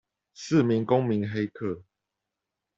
四名公民黑客